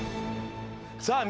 さあ